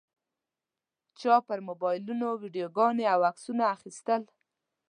چا پر موبایلونو ویډیوګانې او عکسونه اخیستل.